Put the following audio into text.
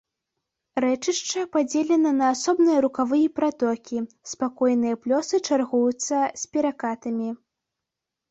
Рэчышча падзелена на асобныя рукавы і пратокі, спакойныя плёсы чаргуюцца з перакатамі.